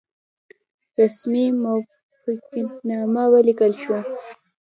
رسمي موافقتنامه ولیکل شوه.